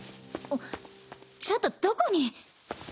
あっちょっとどこに。